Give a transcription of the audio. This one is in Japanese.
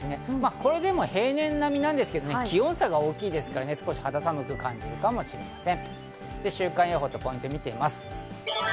これでも平年並みなんですけど気温差が大きいですから肌寒く感じるかもしれません。